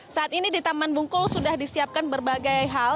saat ini di taman bungkul sudah disiapkan berbagai hal